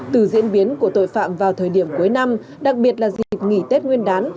từ diễn biến của tội phạm vào thời điểm cuối năm đặc biệt là dịp nghỉ tết nguyên đán